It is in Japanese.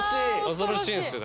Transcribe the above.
恐ろしいですよ。